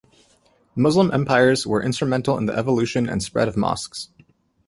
Muslim empires were instrumental in the evolution and spread of mosques.